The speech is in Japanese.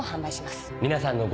皆さんのご協力